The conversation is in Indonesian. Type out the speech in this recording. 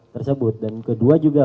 tersebut dan kedua juga